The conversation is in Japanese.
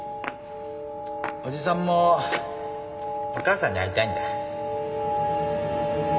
おじさんもお母さんに会いたいんだ